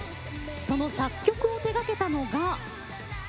その作曲を手がけたのが。